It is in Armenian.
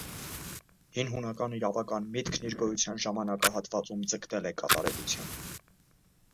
Հին հունական իրավական միտքն իր գոյության ժամանակահատվածում ձգտել է կատարելության։